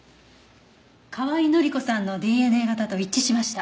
河合範子さんのＤＮＡ型と一致しました。